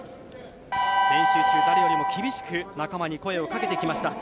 練習中、誰よりも厳しく仲間に声をかけてきました。